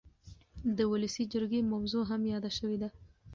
د ولسي جرګې موضوع هم یاده شوې ده.